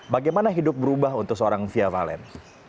bagaimana hidup berubah untuk seorang fia valen